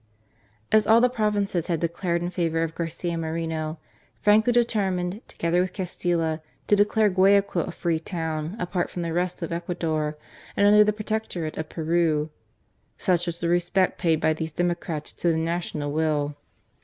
As all the provinces had declared in favour of Garcia Moreno, Franco determined, together with Castilla, to declare Guayaquil a free town, apart from the rest of Ecuador and under the protectorate of Peru. Such was the respect paid by these democrats to the national will.